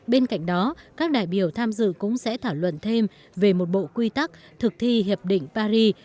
bên cạnh đó các đại biểu tham dự cũng sẽ thảo luận thêm về một bộ quy tắc thực thi hiệp định paris